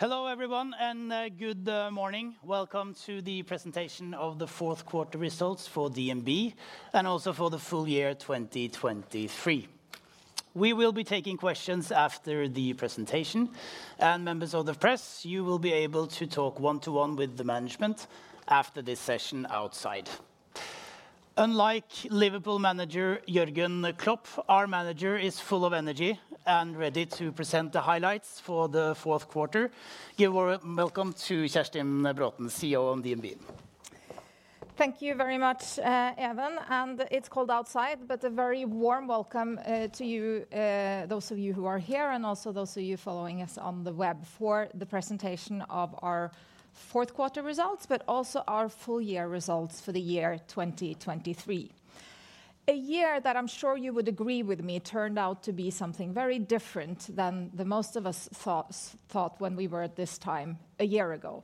Hello everyone, and good morning. Welcome to the presentation of the fourth quarter results for DNB, and also for the full year 2023. We will be taking questions after the presentation, and members of the press, you will be able to talk one-to-one with the management after this session outside. Unlike Liverpool manager Jürgen Klopp, our manager is full of energy and ready to present the highlights for the fourth quarter. Give a warm welcome to Kjerstin Braathen, CEO of DNB. Thank you very much, Even, and it's cold outside, but a very warm welcome to you, those of you who are here, and also those of you following us on the web for the presentation of our fourth quarter results, but also our full year results for the year 2023. A year that I'm sure you would agree with me, turned out to be something very different than the most of us thought when we were at this time a year ago.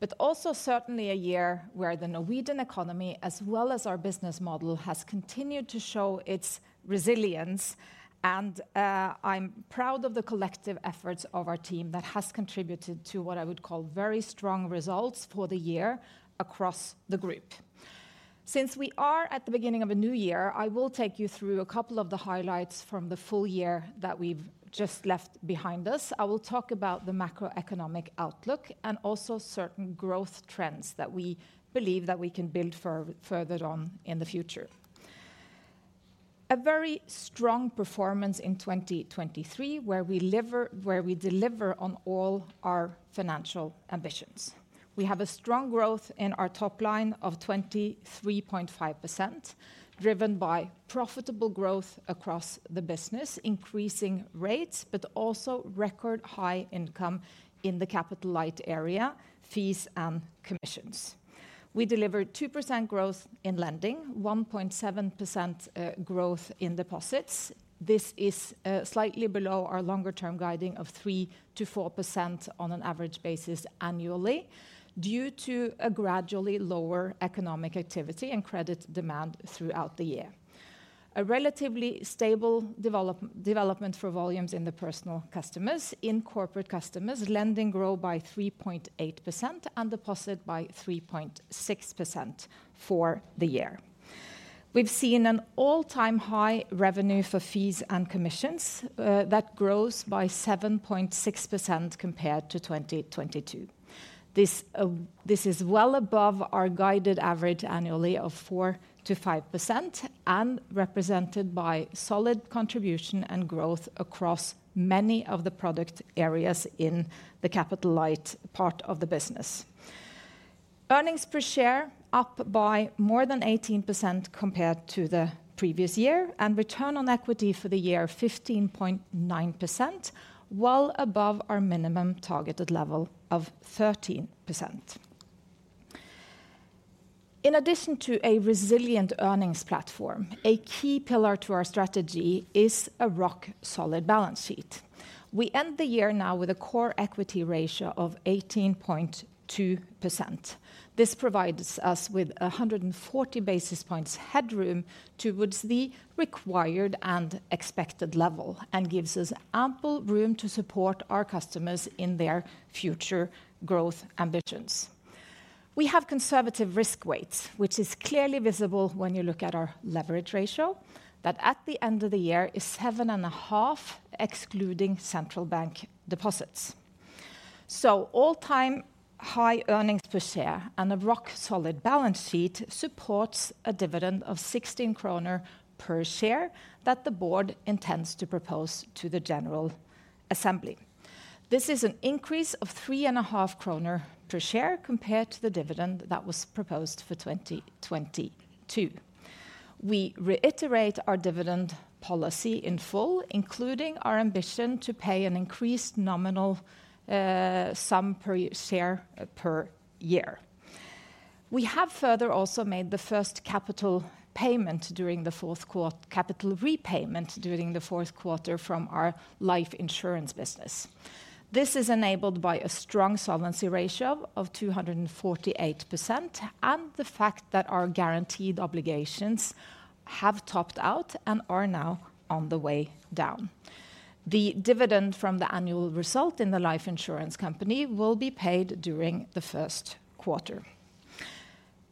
But also certainly a year where the Norwegian economy, as well as our business model, has continued to show its resilience, and, I'm proud of the collective efforts of our team that has contributed to what I would call very strong results for the year across the group. Since we are at the beginning of a new year, I will take you through a couple of the highlights from the full year that we've just left behind us. I will talk about the macroeconomic outlook, and also certain growth trends that we believe that we can build further on in the future. A very strong performance in 2023, where we deliver on all our financial ambitions. We have a strong growth in our top line of 23.5%, driven by profitable growth across the business, increasing rates, but also record high income in the capital light area, fees and commissions. We delivered 2% growth in lending, 1.7% growth in deposits. This is slightly below our longer term guiding of 3%-4% on an average basis annually, due to a gradually lower economic activity and credit demand throughout the year. A relatively stable development for volumes in the personal customers. In corporate customers, lending grew by 3.8% and deposit by 3.6% for the year. We've seen an all-time high revenue for fees and commissions that grows by 7.6% compared to 2022. This is well above our guided average annually of 4%-5%, and represented by solid contribution and growth across many of the product areas in the capital light part of the business. Earnings per share up by more than 18% compared to the previous year, and return on equity for the year, 15.9%, well above our minimum targeted level of 13%. In addition to a resilient earnings platform, a key pillar to our strategy is a rock-solid balance sheet. We end the year now with a Core Equity ratio of 18.2%. This provides us with 140 basis points headroom towards the required and expected level, and gives us ample room to support our customers in their future growth ambitions. We have conservative risk weights, which is clearly visible when you look at our leverage ratio, that at the end of the year is 7.5%, excluding central bank deposits. So all-time high earnings per share and a rock-solid balance sheet supports a dividend of 16 kroner per share that the board intends to propose to the General Assembly. This is an increase of 3.5 kroner per share, compared to the dividend that was proposed for 2022. We reiterate our dividend policy in full, including our ambition to pay an increased nominal sum per share per year. We have further also made the first capital repayment during the fourth quarter from our life insurance business. This is enabled by a strong solvency ratio of 248%, and the fact that our guaranteed obligations have topped out and are now on the way down. The dividend from the annual result in the life insurance company will be paid during the first quarter.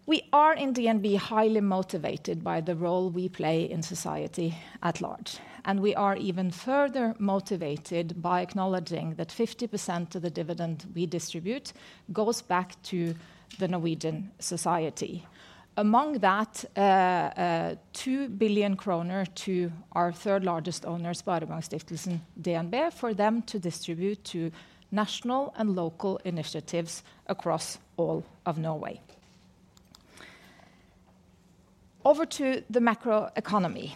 We are in DNB, highly motivated by the role we play in society at large, and we are even further motivated by acknowledging that 50% of the dividend we distribute goes back to the Norwegian society. Among that, 2 billion kroner to our third largest owner, Sparebankstiftelsen DNB, for them to distribute to national and local initiatives across all of Norway. Over to the macroeconomy.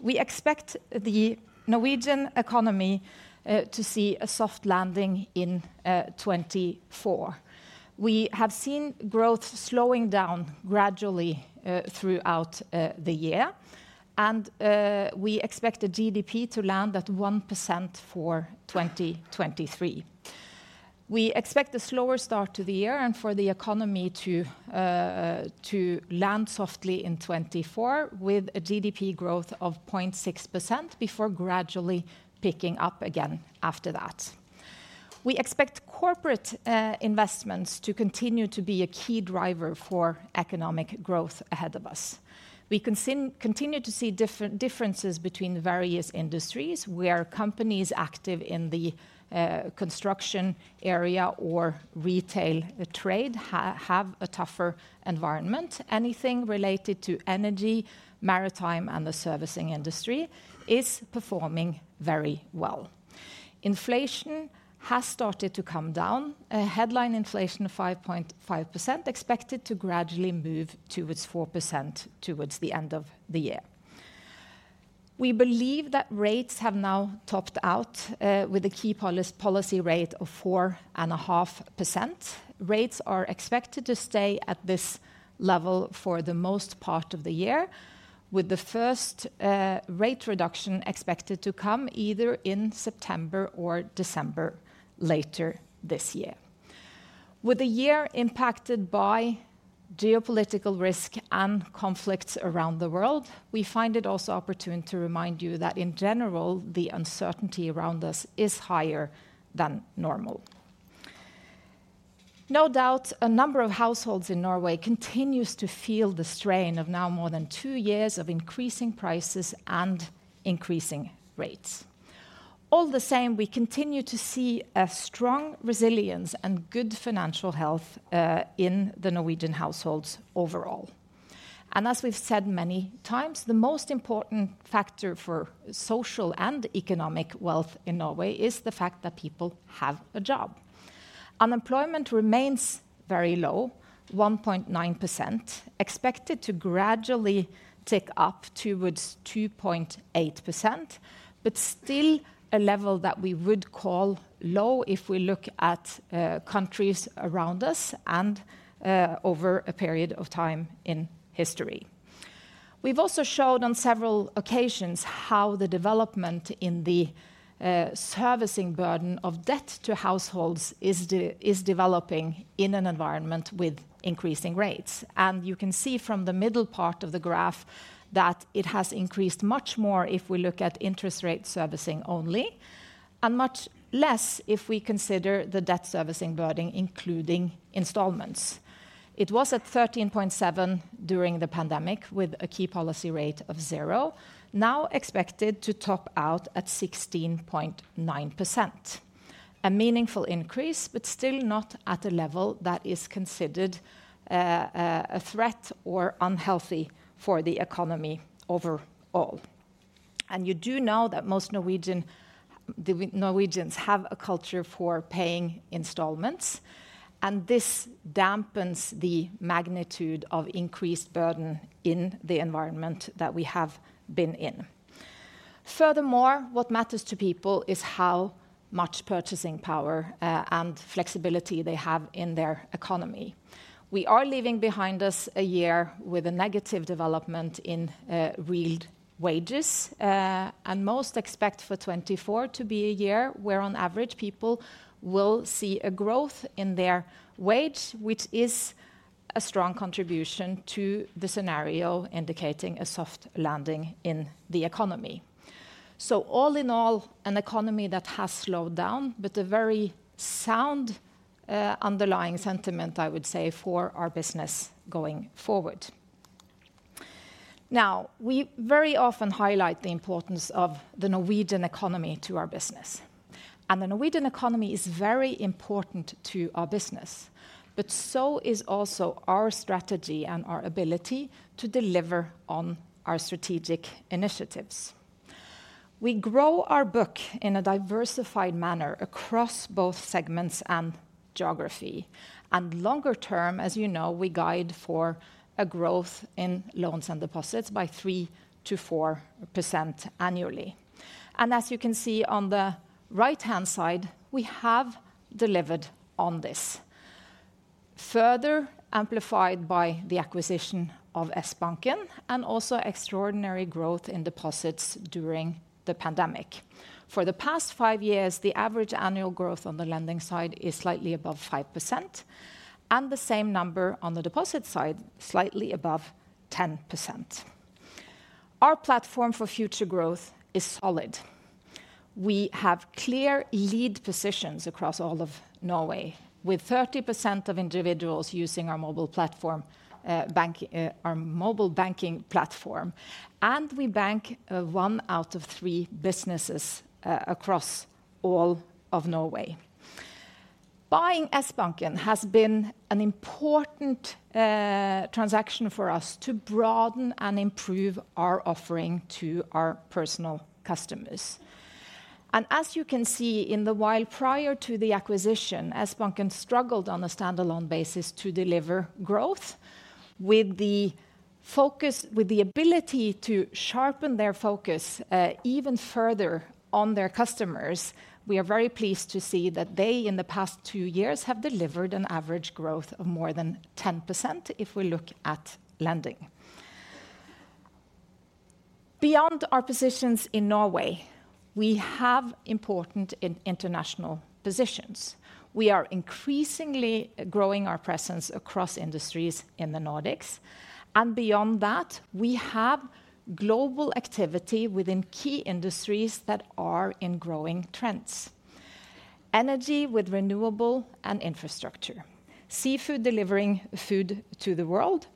We expect the Norwegian economy to see a soft landing in 2024. We have seen growth slowing down gradually throughout the year, and we expect the GDP to land at 1% for 2023. We expect a slower start to the year and for the economy to land softly in 2024, with a GDP growth of 0.6% before gradually picking up again after that. We expect corporate investments to continue to be a key driver for economic growth ahead of us. We can continue to see differences between various industries, where companies active in the construction area or retail trade have a tougher environment. Anything related to energy, maritime, and the servicing industry is performing very well. Inflation has started to come down. A headline inflation of 5.5% expected to gradually move towards 4% towards the end of the year. We believe that rates have now topped out with a key policy rate of 4.5%. Rates are expected to stay at this level for the most part of the year, with the first rate reduction expected to come either in September or December later this year. With the year impacted by geopolitical risk and conflicts around the world, we find it also opportune to remind you that, in general, the uncertainty around us is higher than normal. No doubt, a number of households in Norway continues to feel the strain of now more than two years of increasing prices and increasing rates. All the same, we continue to see a strong resilience and good financial health, in the Norwegian households overall. And as we've said many times, the most important factor for social and economic wealth in Norway is the fact that people have a job. Unemployment remains very low, 1.9%, expected to gradually tick up towards 2.8%, but still a level that we would call low if we look at, countries around us and, over a period of time in history. We've also showed on several occasions how the development in the servicing burden of debt to households is developing in an environment with increasing rates. You can see from the middle part of the graph that it has increased much more if we look at interest rate servicing only, and much less if we consider the debt servicing burden, including installments. It was at 13.7 during the pandemic, with a key policy rate of zero, now expected to top out at 16.9%. A meaningful increase, but still not at a level that is considered a threat or unhealthy for the economy overall. You do know that most Norwegian, the Norwegians have a culture for paying installments, and this dampens the magnitude of increased burden in the environment that we have been in. Furthermore, what matters to people is how much purchasing power and flexibility they have in their economy. We are leaving behind us a year with a negative development in real wages, and most expect for 2024 to be a year where, on average, people will see a growth in their wage, which is a strong contribution to the scenario indicating a soft landing in the economy. So all in all, an economy that has slowed down, but a very sound underlying sentiment, I would say, for our business going forward. Now, we very often highlight the importance of the Norwegian economy to our business, and the Norwegian economy is very important to our business, but so is also our strategy and our ability to deliver on our strategic initiatives. We grow our book in a diversified manner across both segments and geography, and longer term, as you know, we guide for a growth in loans and deposits by 3%-4% annually. As you can see on the right-hand side, we have delivered on this. Further amplified by the acquisition of Sbanken and also extraordinary growth in deposits during the pandemic. For the past 5 years, the average annual growth on the lending side is slightly above 5%, and the same number on the deposit side, slightly above 10%. Our platform for future growth is solid. We have clear lead positions across all of Norway, with 30% of individuals using our mobile platform, our mobile banking platform, and we bank 1 out of 3 businesses across all of Norway. Buying Sbanken has been an important transaction for us to broaden and improve our offering to our personal customers. As you can see, in the while prior to the acquisition, Sbanken struggled on a standalone basis to deliver growth. With the focus... With the ability to sharpen their focus, even further on their customers, we are very pleased to see that they, in the past two years, have delivered an average growth of more than 10% if we look at lending. Beyond our positions in Norway, we have important international positions. We are increasingly growing our presence across industries in the Nordics, and beyond that, we have global activity within key industries that are in growing trends. Energy with renewable and infrastructure, seafood delivering food to the world,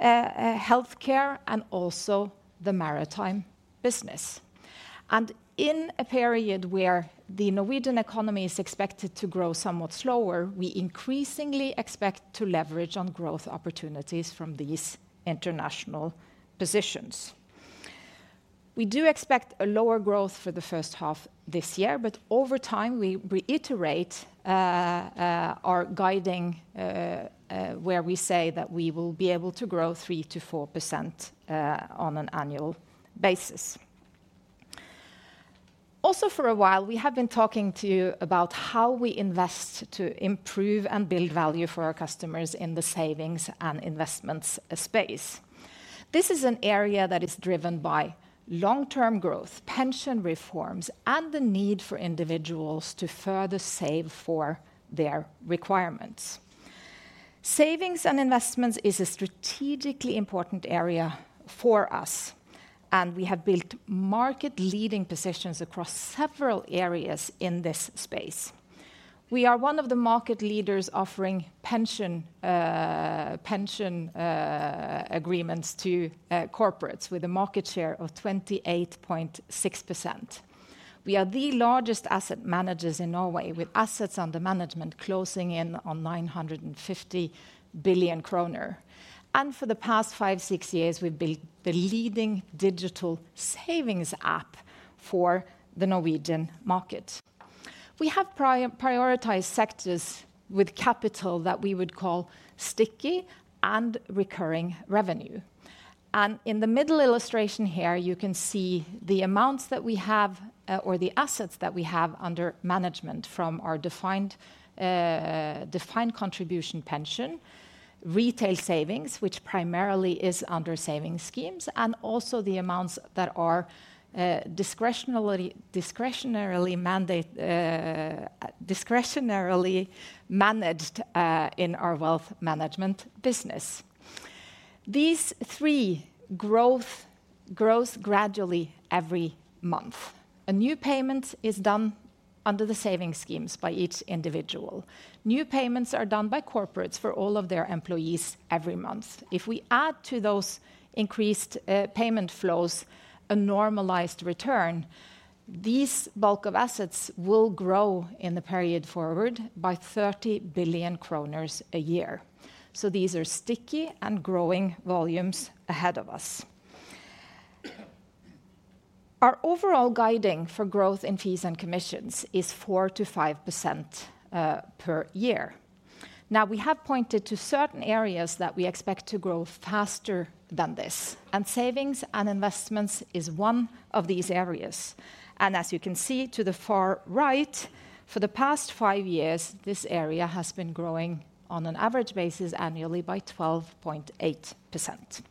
healthcare, and also the maritime business. In a period where the Norwegian economy is expected to grow somewhat slower, we increasingly expect to leverage on growth opportunities from these international positions. We do expect a lower growth for the first half this year, but over time, we reiterate our guiding, where we say that we will be able to grow 3%-4% on an annual basis. Also, for a while, we have been talking to you about how we invest to improve and build value for our customers in the savings and investments space. This is an area that is driven by long-term growth, pension reforms, and the need for individuals to further save for their requirements. Savings and investments is a strategically important area for us, and we have built market-leading positions across several areas in this space. We are one of the market leaders offering pension agreements to corporates, with a market share of 28.6%. We are the largest asset managers in Norway, with assets under management closing in on 950 billion kroner. For the past five, six years, we've built the leading digital savings app for the Norwegian market. We have prioritized sectors with capital that we would call sticky and recurring revenue. In the middle illustration here, you can see the amounts that we have or the assets that we have under management from our defined contribution pension, retail savings, which primarily is under saving schemes, and also the amounts that are discretionally, discretionarily mandate, discretionarily managed in our wealth management business. These three area grows gradually every month. A new payment is done under the saving schemes by each individual. New payments are done by corporates for all of their employees every month. If we add to those increased payment flows, a normalized return, these bulk of assets will grow in the period forward by 30 billion kroner a year. So these are sticky and growing volumes ahead of us. Our overall guiding for growth in fees and commissions is 4%-5% per year. Now, we have pointed to certain areas that we expect to grow faster than this, and savings and investments is one of these areas. And as you can see to the far right, for the past 5 years, this area has been growing on an average basis annually by 12.8%.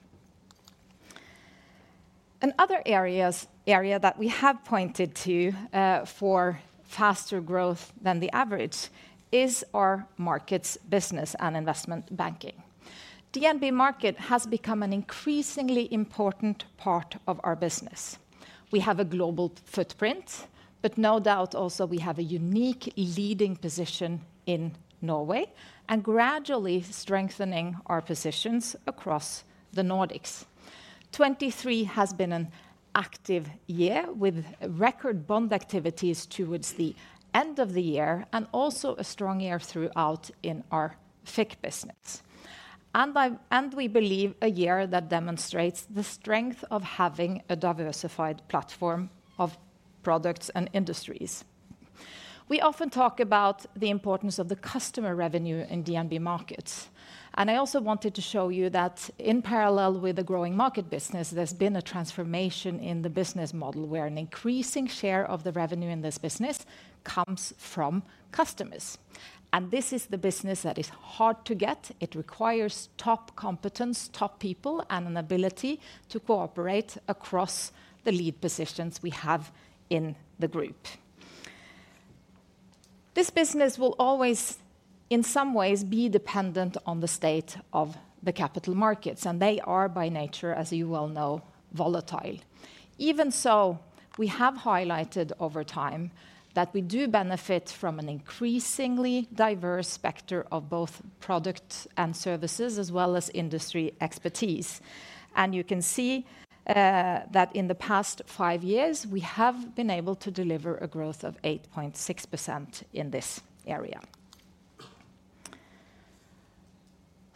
Another area that we have pointed to for faster growth than the average is our markets business and investment banking. DNB Markets has become an increasingly important part of our business. We have a global footprint, but no doubt also we have a unique leading position in Norway and gradually strengthening our positions across the Nordics. 2023 has been an active year, with record bond activities towards the end of the year, and also a strong year throughout in our FICC business. And we believe a year that demonstrates the strength of having a diversified platform of products and industries. We often talk about the importance of the customer revenue in DNB Markets, and I also wanted to show you that in parallel with the growing market business, there's been a transformation in the business model, where an increasing share of the revenue in this business comes from customers. This is the business that is hard to get. It requires top competence, top people, and an ability to cooperate across the lead positions we have in the group. This business will always, in some ways, be dependent on the state of the capital markets, and they are by nature, as you well know, volatile. Even so, we have highlighted over time that we do benefit from an increasingly diverse sector of both products and services, as well as industry expertise. You can see that in the past five years, we have been able to deliver a growth of 8.6% in this area.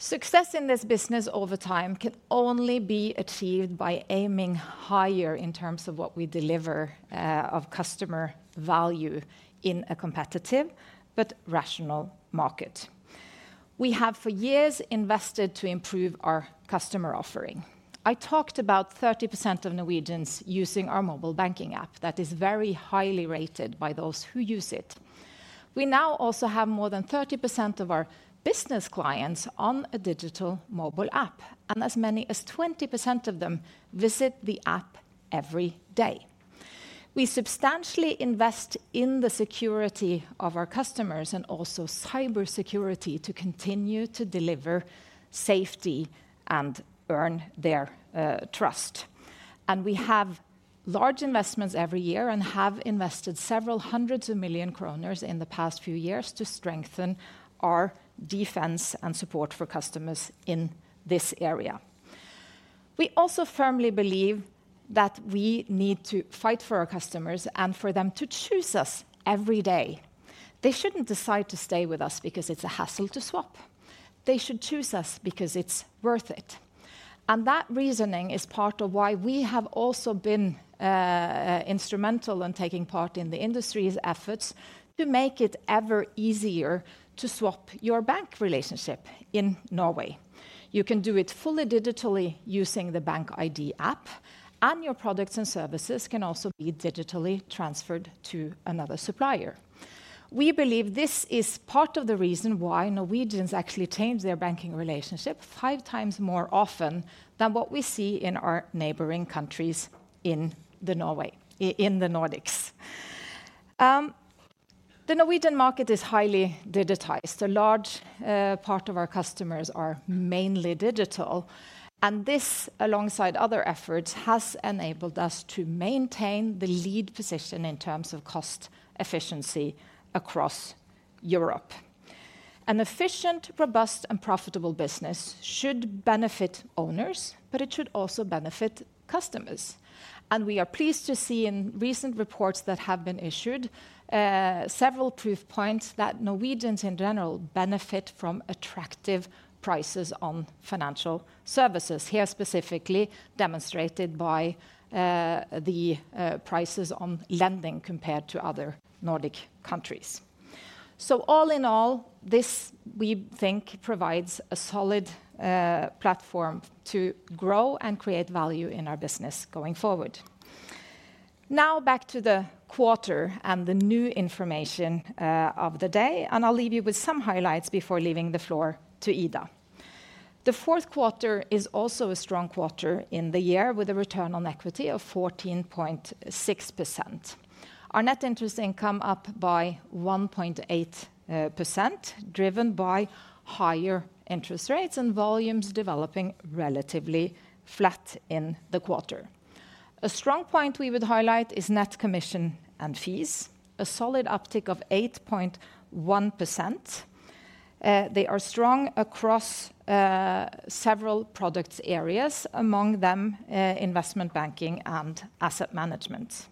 Success in this business over time can only be achieved by aiming higher in terms of what we deliver of customer value in a competitive but rational market. We have for years invested to improve our customer offering. I talked about 30% of Norwegians using our mobile banking app. That is very highly rated by those who use it. We now also have more than 30% of our business clients on a digital mobile app, and as many as 20% of them visit the app every day. We substantially invest in the security of our customers and also cybersecurity to continue to deliver safety and earn their trust. We have large investments every year, and have invested several hundred million NOK in the past few years to strengthen our defense and support for customers in this area. We also firmly believe that we need to fight for our customers and for them to choose us every day. They shouldn't decide to stay with us because it's a hassle to swap. They should choose us because it's worth it. That reasoning is part of why we have also been instrumental in taking part in the industry's efforts to make it ever easier to swap your bank relationship in Norway. You can do it fully digitally using the BankID app, and your products and services can also be digitally transferred to another supplier. We believe this is part of the reason why Norwegians actually change their banking relationship five times more often than what we see in our neighboring countries in the Nordics. The Norwegian market is highly digitized. A large part of our customers are mainly digital, and this, alongside other efforts, has enabled us to maintain the lead position in terms of cost efficiency across Europe. An efficient, robust, and profitable business should benefit owners, but it should also benefit customers, and we are pleased to see in recent reports that have been issued several proof points that Norwegians in general benefit from attractive prices on financial services. Here, specifically demonstrated by the prices on lending compared to other Nordic countries. So all in all, this, we think, provides a solid platform to grow and create value in our business going forward. Now, back to the quarter and the new information of the day, and I'll leave you with some highlights before leaving the floor to Ida. The fourth quarter is also a strong quarter in the year, with a return on equity of 14.6%. Our net interest income up by 1.8%, driven by higher interest rates and volumes developing relatively flat in the quarter. A strong point we would highlight is net commission and fees, a solid uptick of 8.1%. They are strong across several product areas, among them investment banking and asset management.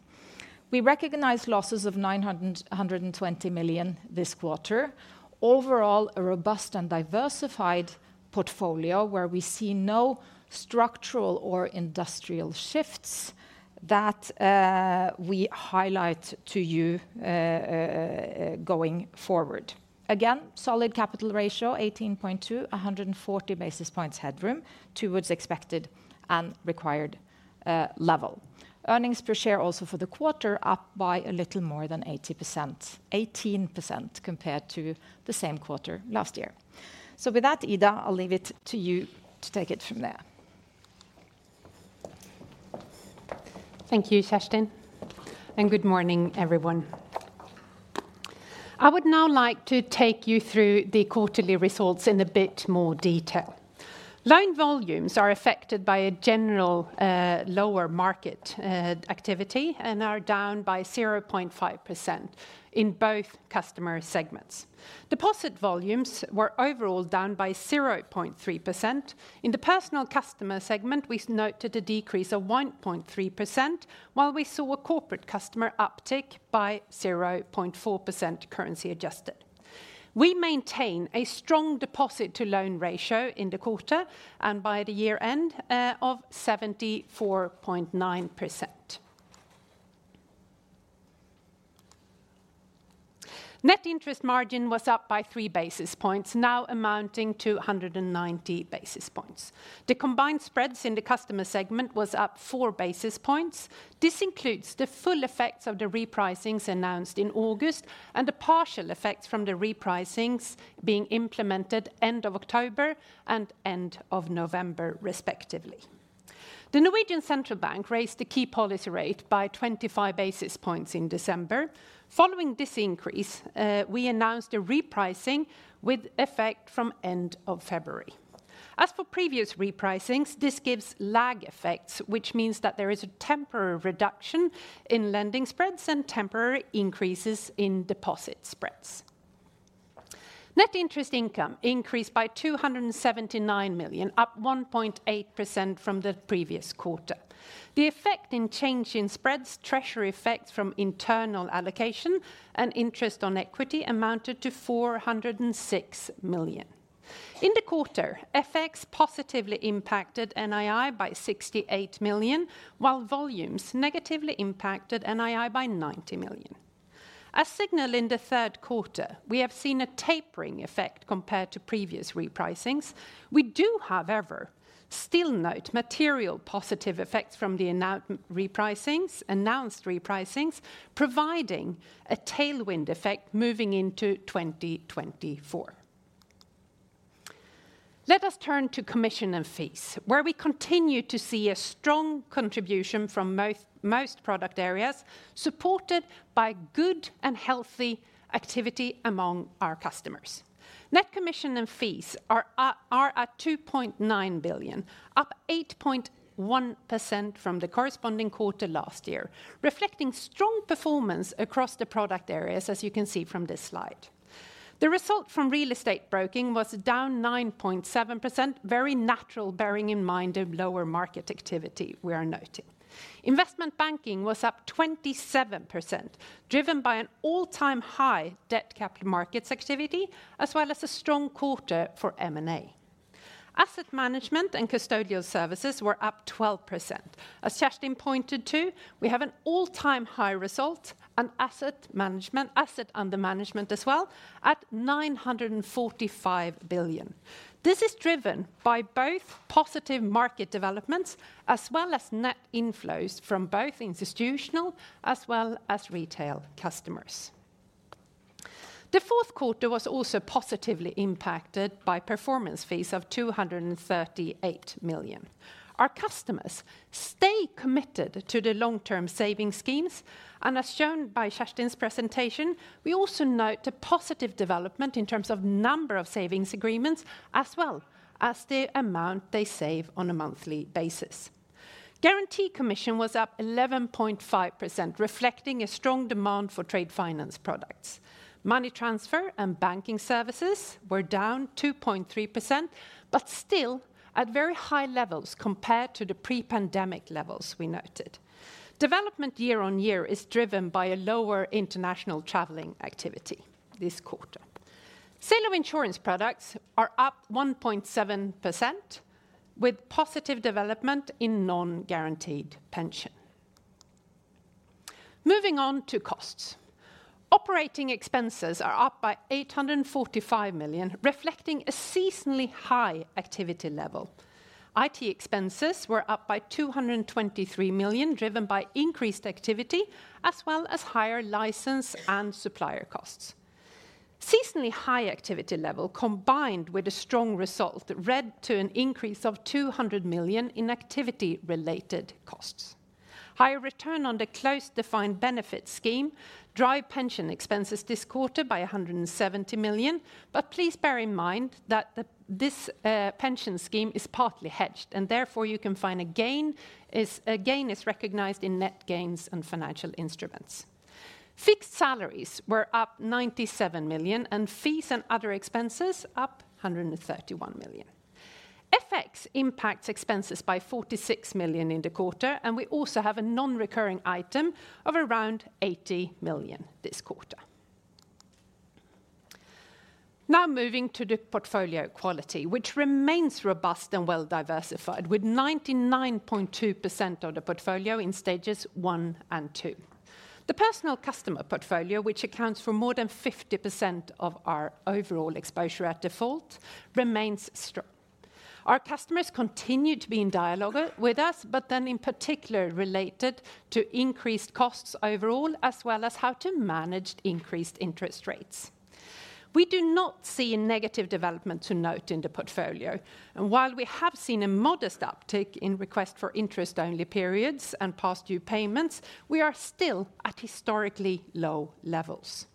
We recognize losses of 920 million this quarter. Overall, a robust and diversified portfolio, where we see no structural or industrial shifts that we highlight to you going forward. Again, solid capital ratio, 18.2, 140 basis points headroom towards expected and required level. Earnings per share also for the quarter up by a little more than 18% compared to the same quarter last year. So with that, Ida, I'll leave it to you to take it from there. Thank you, Kjerstin, and good morning, everyone. I would now like to take you through the quarterly results in a bit more detail. Loan volumes are affected by a general, lower market activity, and are down by 0.5% in both customer segments. Deposit volumes were overall down by 0.3%. In the personal customer segment, we noted a decrease of 1.3%, while we saw a corporate customer uptick by 0.4%, currency adjusted. We maintain a strong deposit-to-loan ratio in the quarter, and by the year-end of 74.9%. Net interest margin was up by 3 basis points, now amounting to 190 basis points. The combined spreads in the customer segment was up 4 basis points. This includes the full effects of the repricings announced in August and the partial effects from the repricings being implemented end of October and end of November, respectively. The Norwegian Central Bank raised the key policy rate by 25 basis points in December. Following this increase, we announced a repricing with effect from end of February. As for previous repricings, this gives lag effects, which means that there is a temporary reduction in lending spreads and temporary increases in deposit spreads. Net interest income increased by 279 million, up 1.8% from the previous quarter. The effect in change in spreads, treasury effects from internal allocation and interest on equity amounted to 406 million. In the quarter, FX positively impacted NII by 68 million, while volumes negatively impacted NII by 90 million. As signaled in the third quarter, we have seen a tapering effect compared to previous repricings. We do, however, still note material positive effects from the announced repricings, providing a tailwind effect moving into 2024. Let us turn to commission and fees, where we continue to see a strong contribution from most product areas, supported by good and healthy activity among our customers. Net commission and fees are at 2.9 billion, up 8.1% from the corresponding quarter last year, reflecting strong performance across the product areas, as you can see from this slide. The result from real estate broking was down 9.7%, very natural, bearing in mind the lower market activity we are noting. Investment banking was up 27%, driven by an all-time high debt capital markets activity, as well as a strong quarter for M&A. Asset management and custodial services were up 12%. As Kjerstin pointed to, we have an all-time high result in asset management, assets under management as well, at 945 billion. This is driven by both positive market developments, as well as net inflows from both institutional as well as retail customers. The fourth quarter was also positively impacted by performance fees of 238 million. Our customers stay committed to the long-term saving schemes, and as shown by Kjerstin's presentation, we also note a positive development in terms of number of savings agreements, as well as the amount they save on a monthly basis. Guarantee commission was up 11.5%, reflecting a strong demand for trade finance products. Money transfer and banking services were down 2.3%, but still at very high levels compared to the pre-pandemic levels we noted. Development year on year is driven by a lower international traveling activity this quarter. Sale of insurance products are up 1.7%, with positive development in non-guaranteed pension. Moving on to costs. Operating expenses are up by 845 million, reflecting a seasonally high activity level. IT expenses were up by 223 million, driven by increased activity, as well as higher license and supplier costs. Seasonally high activity level, combined with a strong result, led to an increase of 200 million in activity-related costs. Higher return on the closed defined benefit scheme drove pension expenses this quarter by 170 million. But please bear in mind that this pension scheme is partly hedged, and therefore you can find a gain is recognized in net gains and financial instruments. Fixed salaries were up 97 million, and fees and other expenses up 131 million. FX impacts expenses by 46 million in the quarter, and we also have a non-recurring item of around 80 million this quarter. Now, moving to the portfolio quality, which remains robust and well-diversified, with 99.2% of the portfolio in stages one and two. The personal customer portfolio, which accounts for more than 50% of our overall exposure at default, remains strong. Our customers continue to be in dialogue with us, but then in particular, related to increased costs overall, as well as how to manage increased interest rates. We do not see a negative development to note in the portfolio, and while we have seen a modest uptick in request for interest-only periods and past due payments, we are still at historically low levels.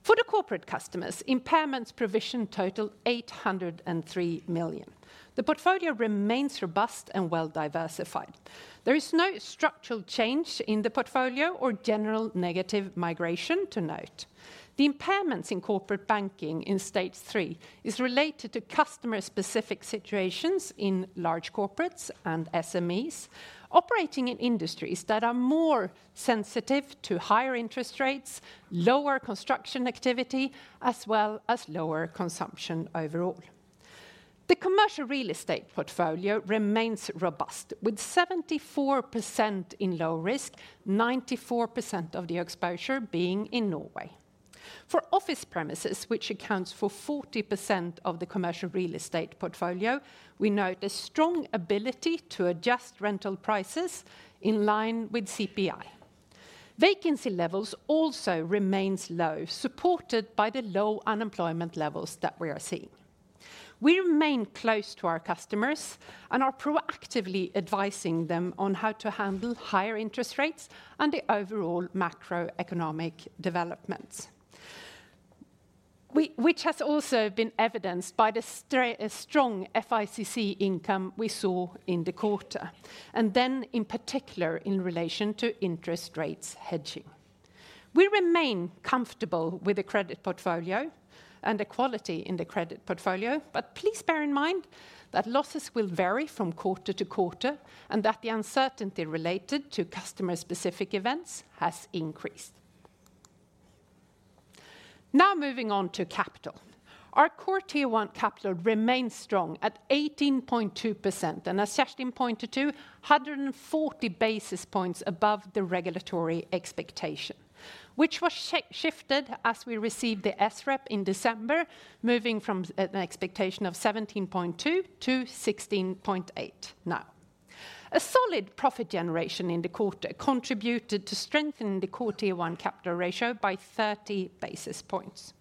For the corporate customers, impairments provision total 803 million. The portfolio remains robust and well-diversified. There is no structural change in the portfolio or general negative migration to note. The impairments in corporate banking in stage three is related to customer-specific situations in large corporates and SMEs, operating in industries that are more sensitive to higher interest rates, lower construction activity, as well as lower consumption overall. The commercial real estate portfolio remains robust, with 74% in low risk, 94% of the exposure being in Norway. For office premises, which accounts for 40% of the commercial real estate portfolio, we note a strong ability to adjust rental prices in line with CPI. Vacancy levels also remains low, supported by the low unemployment levels that we are seeing. We remain close to our customers and are proactively advising them on how to handle higher interest rates and the overall macroeconomic developments. which has also been evidenced by the strong FICC income we saw in the quarter, and then in particular, in relation to interest rates hedging. We remain comfortable with the credit portfolio and the quality in the credit portfolio, but please bear in mind that losses will vary from quarter to quarter, and that the uncertainty related to customer-specific events has increased. Now, moving on to capital. Our Core Tier 1 capital remains strong at 18.2%, and as Kjerstin pointed to, 140 basis points above the regulatory expectation, which was shifted as we received the SREP in December, moving from an expectation of 17.2 to 16.8 now. A solid profit generation in the quarter contributed to strengthen the core Tier 1 capital ratio by 30 basis points.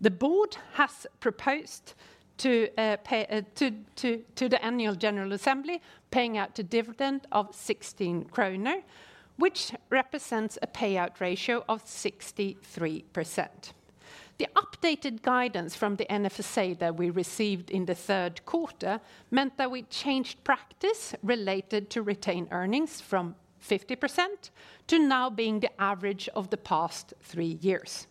The board has proposed to pay to the Annual General Assembly, paying out a dividend of 16 kroner, which represents a payout ratio of 63%. The updated guidance from the NFSA that we received in the third quarter meant that we changed practice related to retained earnings from 50% to now being the average of the past three years.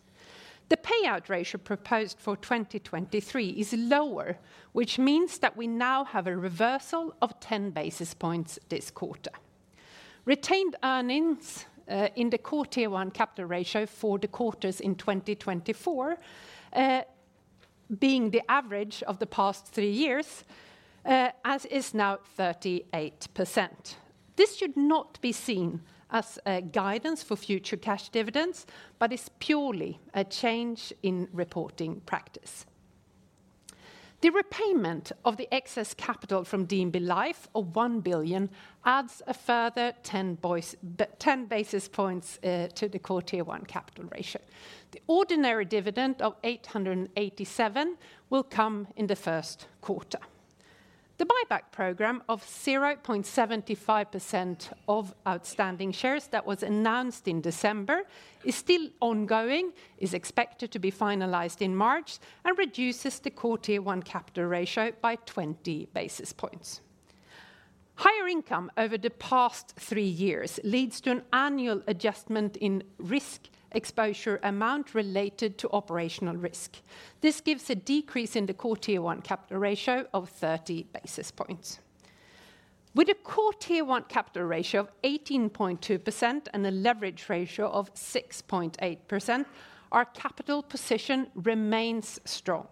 The payout ratio proposed for 2023 is lower, which means that we now have a reversal of 10 basis points this quarter. Retained earnings in the core Tier 1 capital ratio for the quarters in 2024, being the average of the past three years, as is now 38%. This should not be seen as a guidance for future cash dividends, but is purely a change in reporting practice. The repayment of the excess capital from DNB Life of 1 billion adds a further 10 basis points to the core Tier 1 capital ratio. The ordinary dividend of 887 million will come in the first quarter. The buyback program of 0.75% of outstanding shares that was announced in December is still ongoing, is expected to be finalized in March, and reduces the core Tier 1 capital ratio by 20 basis points. Higher income over the past three years leads to an annual adjustment in risk exposure amount related to operational risk. This gives a decrease in the core Tier 1 capital ratio of 30 basis points. With a core Tier 1 capital ratio of 18.2% and a leverage ratio of 6.8%, our capital position remains strong,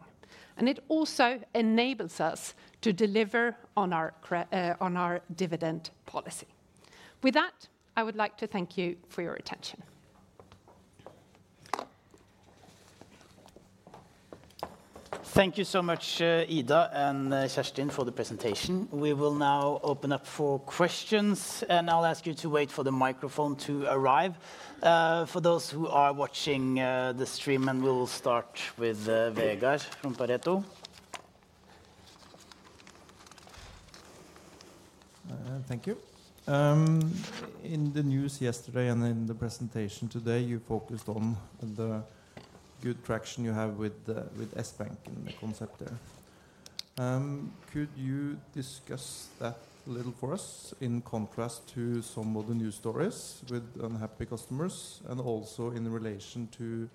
and it also enables us to deliver on our dividend policy. With that, I would like to thank you for your attention. Thank you so much, Ida and Kjerstin, for the presentation. We will now open up for questions, and I'll ask you to wait for the microphone to arrive, for those who are watching, the stream, and we'll start with, Vegard from Pareto. Thank you. In the news yesterday and in the presentation today, you focused on the good traction you have with the, with Sbanken and the concept there. Could you discuss that a little for us, in contrast to some of the news stories with unhappy customers, and also in relation to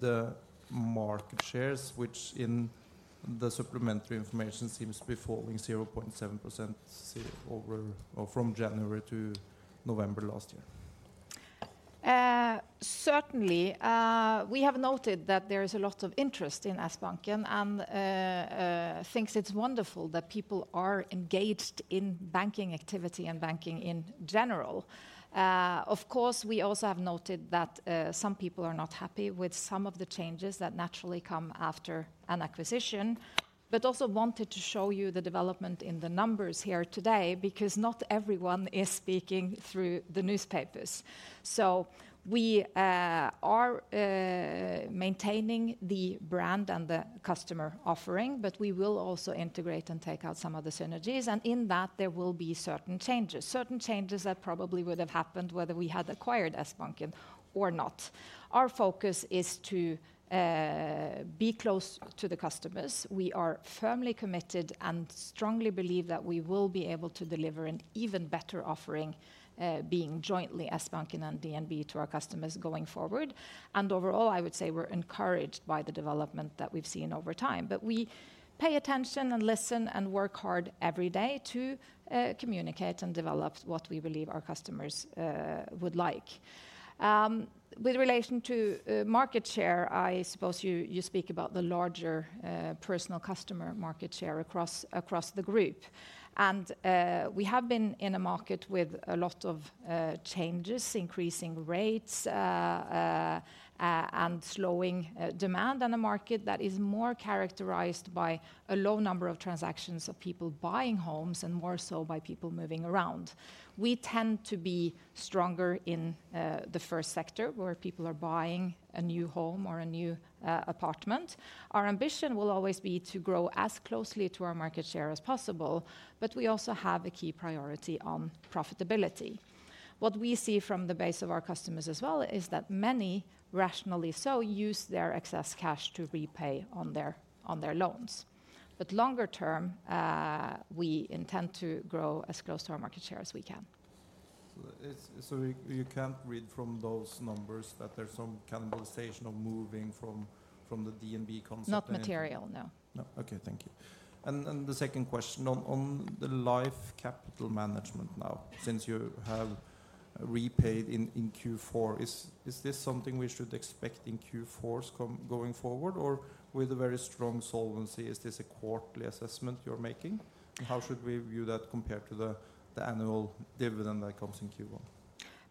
the market shares, which in the supplementary information seems to be falling 0.7% or from January to November last year? Certainly, we have noted that there is a lot of interest in Sbanken, and thinks it's wonderful that people are engaged in banking activity and banking in general. Of course, we also have noted that some people are not happy with some of the changes that naturally come after an acquisition. But also wanted to show you the development in the numbers here today, because not everyone is speaking through the newspapers. So we are maintaining the brand and the customer offering, but we will also integrate and take out some of the synergies, and in that, there will be certain changes. Certain changes that probably would have happened whether we had acquired Sbanken or not. Our focus is to be close to the customers. We are firmly committed and strongly believe that we will be able to deliver an even better offering, being jointly Sbanken and DNB to our customers going forward. And overall, I would say we're encouraged by the development that we've seen over time. But we pay attention, and listen, and work hard every day to communicate and develop what we believe our customers would like. With relation to market share, I suppose you speak about the larger personal customer market share across the group. And we have been in a market with a lot of changes, increasing rates, and slowing demand, and a market that is more characterized by a low number of transactions of people buying homes and more so by people moving around. We tend to be stronger in the first sector, where people are buying a new home or a new apartment. Our ambition will always be to grow as closely to our market share as possible, but we also have a key priority on profitability. What we see from the base of our customers as well, is that many, rationally so, use their excess cash to repay on their loans. But longer term, we intend to grow as close to our market share as we can. So you can't read from those numbers that there's some cannibalization of moving from the DNB concept. Not material, no. No. Okay, thank you. And the second question on the life capital management now, since you have repaid in Q4, is this something we should expect in Q4's going forward? Or with a very strong solvency, is this a quarterly assessment you're making? How should we view that compared to the annual dividend that comes in Q1?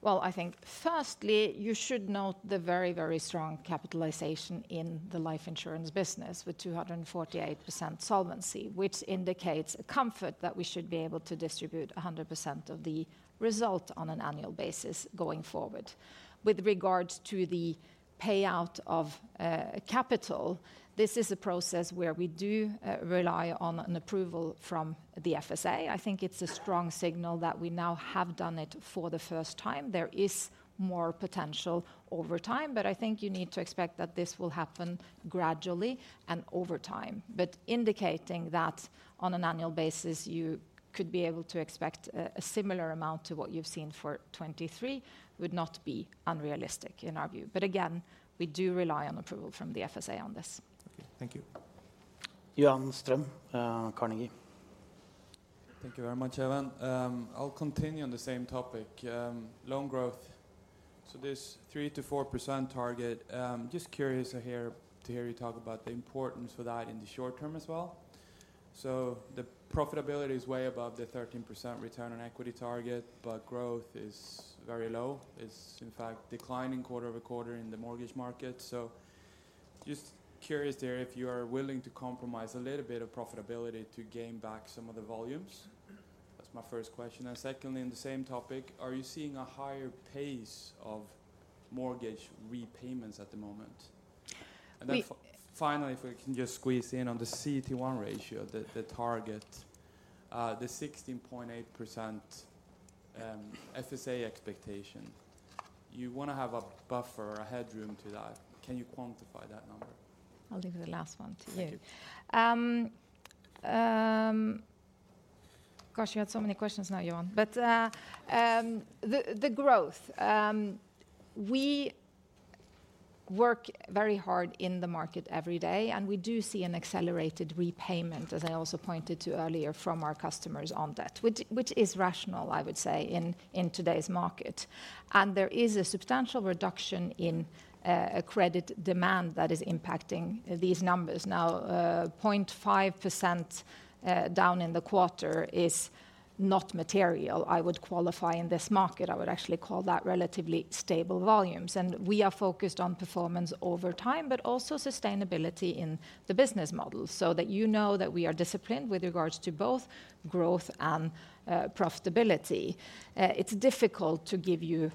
Well, I think firstly, you should note the very, very strong capitalization in the life insurance business, with 248% solvency, which indicates a comfort that we should be able to distribute 100% of the result on an annual basis going forward. With regards to the payout of capital, this is a process where we do rely on an approval from the FSA. I think it's a strong signal that we now have done it for the first time. There is more potential over time, but I think you need to expect that this will happen gradually and over time. But indicating that on an annual basis, you could be able to expect a similar amount to what you've seen for 2023 would not be unrealistic in our view. But again, we do rely on approval from the FSA on this. Okay, thank you. Johan Strøm, Carnegie. Thank you very much, Even. I'll continue on the same topic, loan growth. So this 3%-4% target, just curious to hear, to hear you talk about the importance for that in the short term as well. So the profitability is way above the 13% return on equity target, but growth is very low. It's in fact declining quarter-over-quarter in the mortgage market. So just curious there, if you are willing to compromise a little bit of profitability to gain back some of the volumes? That's my first question. And secondly, on the same topic, are you seeing a higher pace of mortgage repayments at the moment? We. Then finally, if we can just squeeze in on the CET1 ratio, the target, the 16.8% FSA expectation. You wanna have a buffer or a headroom to that. Can you quantify that number? I'll leave the last one to you. Thank you. Gosh, you had so many questions now, Johan. But, the growth. We work very hard in the market every day, and we do see an accelerated repayment, as I also pointed to earlier, from our customers on debt, which is rational, I would say, in today's market. And there is a substantial reduction in credit demand that is impacting these numbers. Now, 0.5% down in the quarter is not material, I would qualify, in this market. I would actually call that relatively stable volumes. And we are focused on performance over time, but also sustainability in the business model, so that you know that we are disciplined with regards to both growth and profitability. It's difficult to give you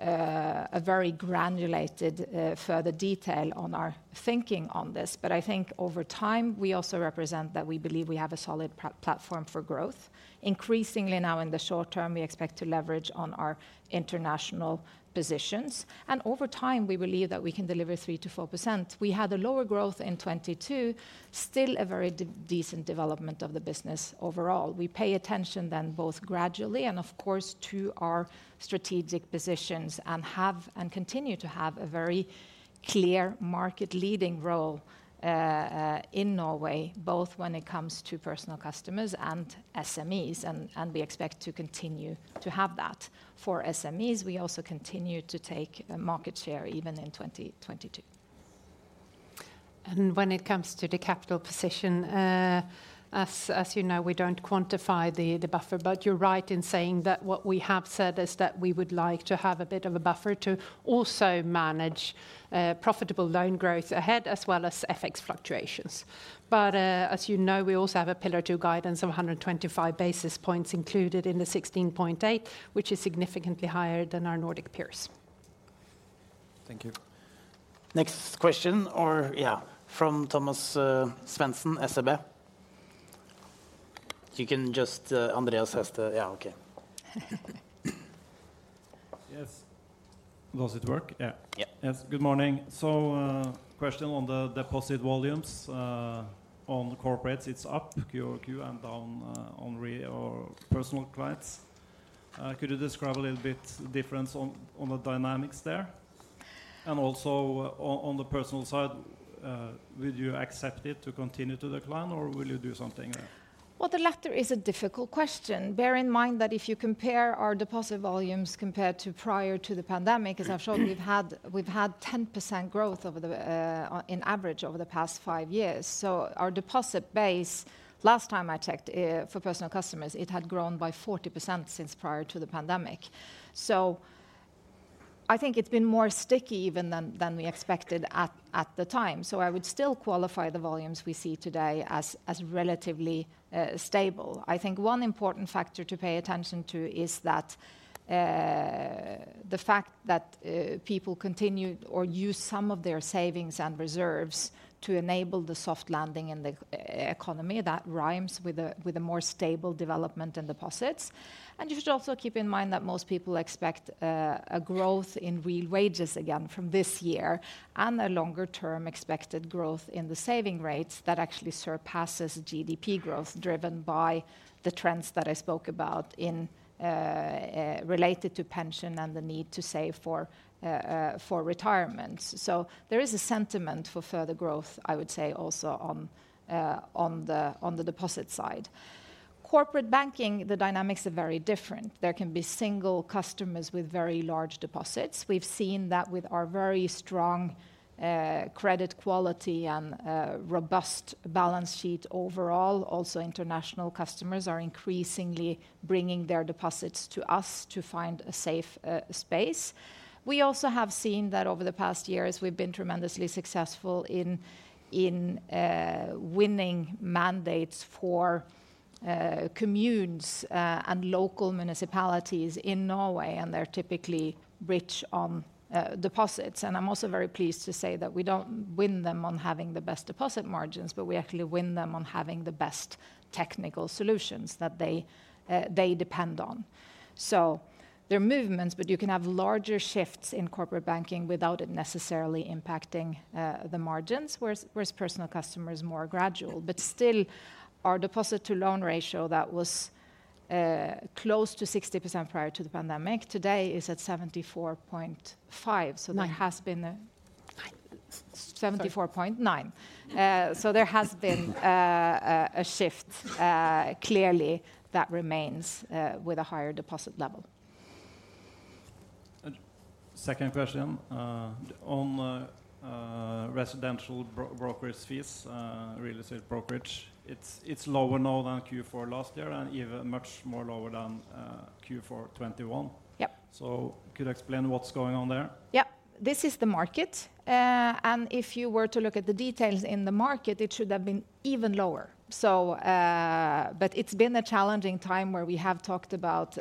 a very granular further detail on our thinking on this, but I think over time, we also represent that we believe we have a solid platform for growth. Increasingly now, in the short term, we expect to leverage on our international positions, and over time, we believe that we can deliver 3%-4%. We had a lower growth in 2022, still a very decent development of the business overall. We pay attention then, both gradually and of course, to our strategic positions, and have, and continue to have a very clear market-leading role in Norway, both when it comes to personal customers and SMEs, and we expect to continue to have that. For SMEs, we also continue to take market share even in 2022. When it comes to the capital position, as you know, we don't quantify the buffer. You're right in saying that what we have said is that we would like to have a bit of a buffer to also manage profitable loan growth ahead, as well as FX fluctuations. As you know, we also have a Pillar 2 guidance of 125 basis points included in the 16.8, which is significantly higher than our Nordic peers. Thank you. Next question, or yeah, from Thomas Svendsen, SEB. You can just, Andreas has the. Yeah, okay. Yes. Does it work? Yeah. Yeah. Yes. Good morning. So, question on the deposit volumes. On the corporates, it's up quarter-over-quarter and down on retail or personal clients. Could you describe a little bit difference on the dynamics there? And also on the personal side, would you expect it to continue to decline, or will you do something? Well, the latter is a difficult question. Bear in mind that if you compare our deposit volumes compared to prior to the pandemic, as I've shown, we've had, we've had 10% growth over the in average over the past five years. So our deposit base, last time I checked, for personal customers, it had grown by 40% since prior to the pandemic. So I think it's been more sticky even than, than we expected at, at the time. So I would still qualify the volumes we see today as, as relatively stable. I think one important factor to pay attention to is that the fact that people continue or use some of their savings and reserves to enable the soft landing in the economy, that rhymes with a, with a more stable development in deposits. You should also keep in mind that most people expect a growth in real wages again from this year, and a longer-term expected growth in the saving rates that actually surpasses GDP growth, driven by the trends that I spoke about in related to pension and the need to save for for retirement. So there is a sentiment for further growth, I would say, also on the deposit side. Corporate banking, the dynamics are very different. There can be single customers with very large deposits. We've seen that with our very strong credit quality and robust balance sheet overall. Also, international customers are increasingly bringing their deposits to us to find a safe space. We also have seen that over the past years, we've been tremendously successful in winning mandates for communes and local municipalities in Norway, and they're typically rich on deposits. I'm also very pleased to say that we don't win them on having the best deposit margins, but we actually win them on having the best technical solutions that they depend on. So there are movements, but you can have larger shifts in corporate banking without it necessarily impacting the margins, whereas personal customers, more gradual. But still, our deposit-to-loan ratio, that was close to 60% prior to the pandemic, today is at 74.5. So there has been a- Nine. 74.9%. Sorry. So there has been a shift, clearly, that remains with a higher deposit level. Second question, on the residential brokerage fees, real estate brokerage, it's lower now than Q4 last year, and even much more lower than Q4 2021. Yep. Could you explain what's going on there? Yeah. This is the market. And if you were to look at the details in the market, it should have been even lower. But it's been a challenging time where we have talked about,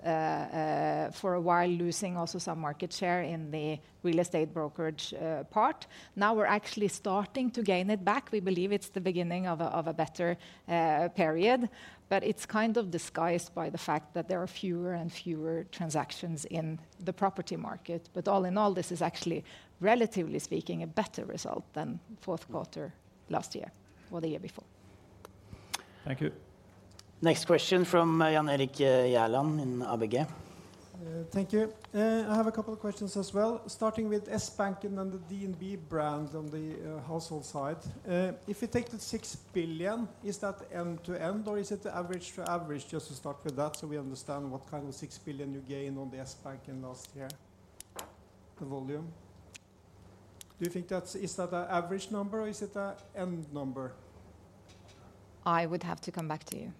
for a while, losing also some market share in the real estate brokerage, part. Now we're actually starting to gain it back. We believe it's the beginning of a, of a better, period, but it's kind of disguised by the fact that there are fewer and fewer transactions in the property market. But all in all, this is actually, relatively speaking, a better result than fourth quarter last year or the year before. Thank you. Next question from Jan Erik Gjerland in ABG. Thank you. I have a couple of questions as well, starting with Sbanken and the DNB brand on the household side. If you take the 6 billion, is that end-to-end, or is it average to average? Just to start with that, so we understand what kind of 6 billion you gained on the Sbanken last year, the volume. Do you think that's... Is that an average number or is it an end number? I would have to come back to you.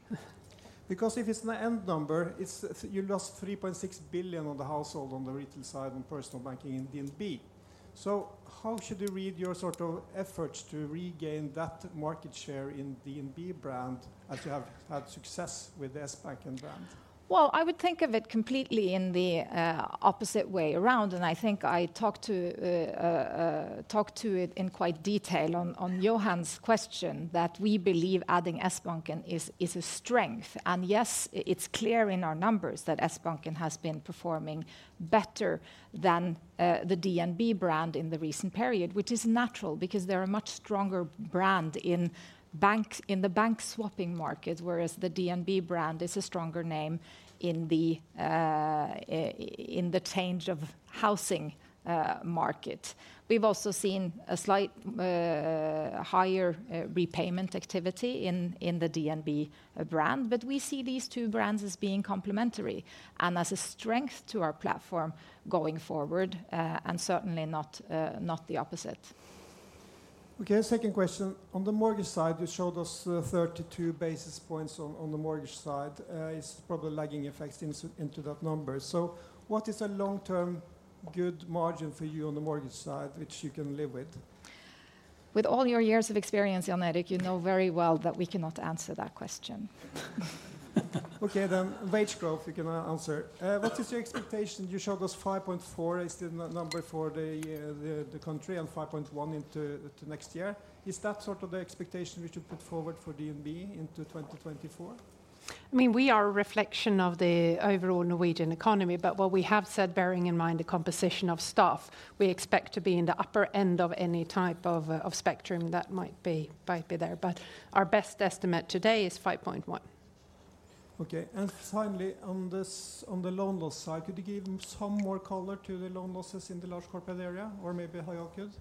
Because if it's an end number, it's you lost 3.6 billion on the household, on the retail side, and personal banking in DNB. So how should you read your sort of efforts to regain that market share in DNB brand, as you have had success with Sbanken brand? Well, I would think of it completely in the opposite way around, and I think I talked to it in quite detail on Johan's question, that we believe adding Sbanken is a strength. And yes, it's clear in our numbers that Sbanken has been performing better than the DNB brand in the recent period, which is natural because they're a much stronger brand in banks, in the bank swapping market, whereas the DNB brand is a stronger name in the change of housing market. We've also seen a slight higher repayment activity in the DNB brand. But we see these two brands as being complementary and as a strength to our platform going forward, and certainly not the opposite. Okay, second question. On the mortgage side, you showed us, 32 basis points on, on the mortgage side. It's probably lagging effects into, into that number. So what is a long-term good margin for you on the mortgage side, which you can live with? With all your years of experience, Jan Erik, you know very well that we cannot answer that question. Okay, then wage growth you can answer. What is your expectation? You showed us 5.4 is the number for the country and 5.1 into next year. Is that sort of the expectation we should put forward for DNB into 2024? I mean, we are a reflection of the overall Norwegian economy, but what we have said, bearing in mind the composition of staff, we expect to be in the upper end of any type of, of spectrum that might be, might be there. But our best estimate today is 5.1. Okay. And finally, on this, on the loan loss side, could you give some more color to the loan losses in the large corporate area, or maybe Harald could?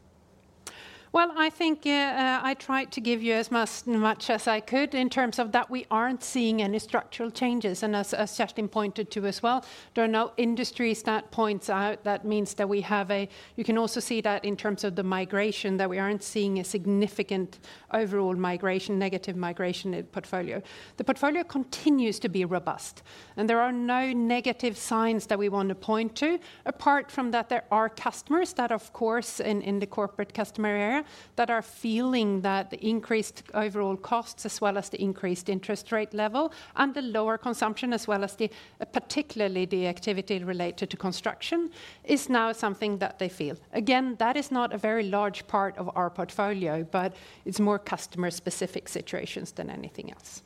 Well, I think, I tried to give you as much as I could in terms of that we aren't seeing any structural changes. And as Kjerstin pointed to as well, there are no industries that points out. That means that we have. You can also see that in terms of the migration, that we aren't seeing a significant overall migration, negative migration in portfolio. The portfolio continues to be robust, and there are no negative signs that we want to point to. Apart from that, there are customers that, of course, in the corporate customer area, that are feeling that the increased overall costs, as well as the increased interest rate level and the lower consumption, as well as the, particularly the activity related to construction, is now something that they feel. Again, that is not a very large part of our portfolio, but it's more customer-specific situations than anything else.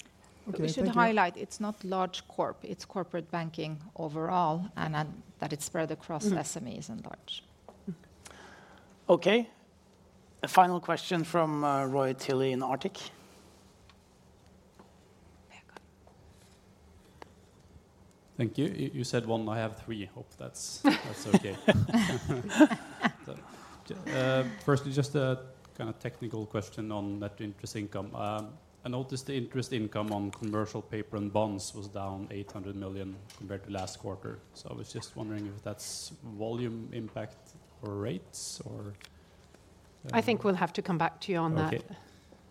Okay, thank you. We should highlight, it's not large corp, it's corporate banking overall, and then that it's spread across- Mm... SMEs and large. Okay. A final question from Roy Tilley in Arctic. There you go. Thank you. You, you said one, I have three. Hope that's, that's okay. Firstly, just a kind of technical question on net interest income. I noticed the interest income on commercial paper and bonds was down 800 million compared to last quarter. So I was just wondering if that's volume impact or rates, or- I think we'll have to come back to you on that. Okay.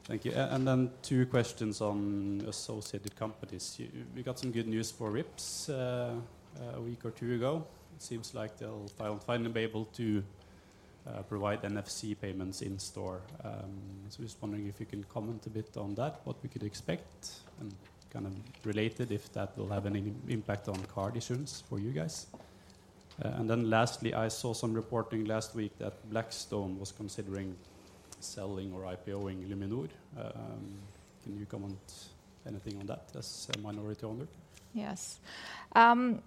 Thank you. And then two questions on associated companies. We got some good news for Vipps a week or two ago. It seems like they'll finally be able to provide NFC payments in store. So just wondering if you can comment a bit on that, what we could expect, and kind of related, if that will have any impact on card issuance for you guys? And then lastly, I saw some reporting last week that Blackstone was considering selling or IPOing Luminor. Can you comment anything on that as a minority owner? Yes. On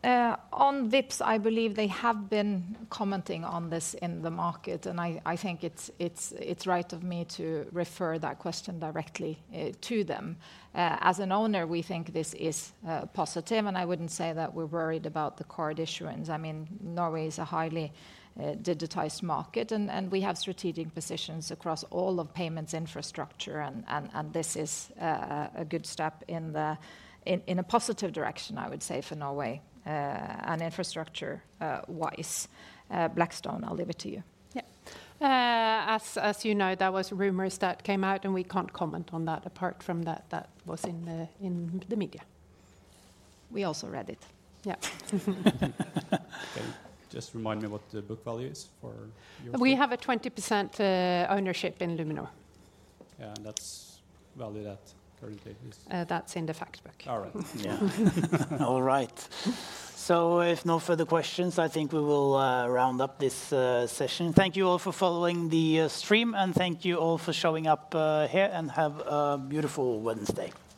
Vipps, I believe they have been commenting on this in the market, and I think it's right of me to refer that question directly to them. As an owner, we think this is positive, and I wouldn't say that we're worried about the card issuance. I mean, Norway is a highly digitized market, and this is a good step in the... in a positive direction, I would say, for Norway, and infrastructure wise. Blackstone, I'll leave it to you. Yeah. As you know, there was rumors that came out, and we can't comment on that. Apart from that, that was in the media. We also read it. Yeah. Okay. Just remind me what the book value is for Vipps? We have a 20% ownership in Luminor. Yeah, and that's value that currently is? That's in the fact book. All right. Yeah. All right. So if no further questions, I think we will round up this session. Thank you all for following the stream, and thank you all for showing up here, and have a beautiful Wednesday. Thank you.